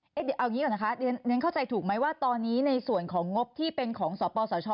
เดี๋ยวเอางี้ก่อนนะคะเรียนเข้าใจถูกไหมว่าตอนนี้ในส่วนของงบที่เป็นของสปสช